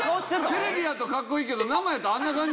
テレビやとかっこいいけど生やとあんな感じなん？